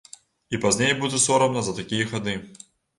І пазней будзе сорамна за такія хады.